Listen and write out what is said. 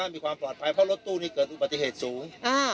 มีความปลอดภัยเพราะรถตู้นี้เกิดอุบัติเหตุสูง